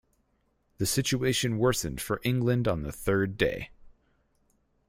The situation worsened for England on the third day.